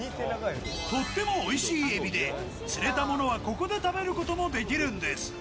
とってもおいしいえびで、釣れたものはここで食べることもできるんです。